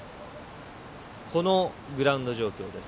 このグラウンド状況です。